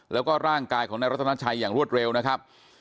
แล้วก็ร่างกายของนายรัฐนาชัยอย่างรวดเร็วนะครับ